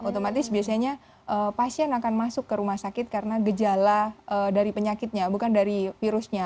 otomatis biasanya pasien akan masuk ke rumah sakit karena gejala dari penyakitnya bukan dari virusnya